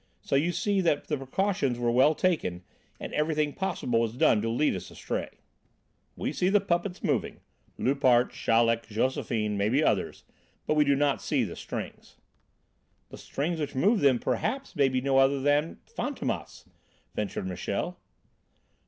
So you see that the precautions were well taken and everything possible done to lead us astray. "We see the puppets moving Loupart, Chaleck, Josephine, others maybe, but we do not see the strings." "The strings which move them perhaps may be no other than Fantômas," ventured Michel.